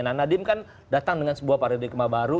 nah nadiem kan datang dengan sebuah paradigma baru